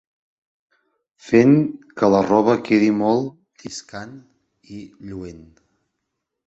Fent que la roba quedi molt lliscant i lluent.